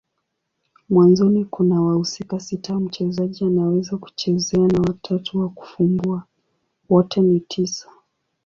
Mwanzoni kuna wahusika sita mchezaji anaweza kuchezea na watatu wa kufumbua. Wote ni tisa.